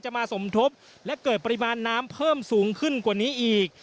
มาสมทบและเกิดปริมาณน้ำเพิ่มสูงขึ้นกว่านี้อีก